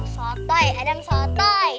sotoy ada yang sotoy